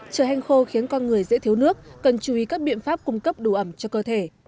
trời hanh khô khiến con người dễ thiếu nước cần chú ý các biện pháp cung cấp đủ ẩm cho cơ thể